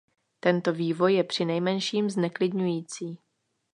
Tento vývoj je přinejmenším zneklidňující.